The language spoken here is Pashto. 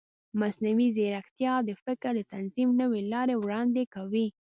مصنوعي ځیرکتیا د فکر د تنظیم نوې لارې وړاندې کوي.